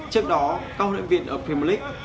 trước đó các huyện viện ở pimlic